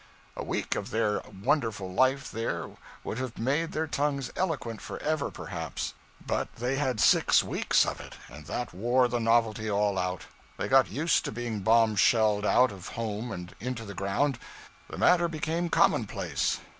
A week of their wonderful life there would have made their tongues eloquent for ever perhaps; but they had six weeks of it, and that wore the novelty all out; they got used to being bomb shelled out of home and into the ground; the matter became commonplace.